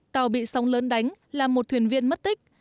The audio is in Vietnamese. tàu bị sóng lớn đánh là một thuyền viên mất tích